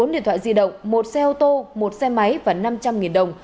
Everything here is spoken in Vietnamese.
bốn điện thoại di động một xe ô tô một xe máy và năm trăm linh đồng